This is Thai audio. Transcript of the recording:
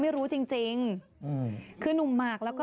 สวัสดีครับ